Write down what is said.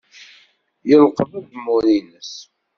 Yelqeḍ azemmur-nnes.